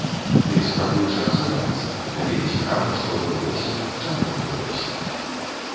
Ты спрабуеш разабрацца, табе цікава, што адбылося, чаму адбылося.